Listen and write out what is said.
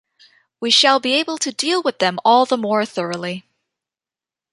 We shall be able to deal with them all the more thoroughly.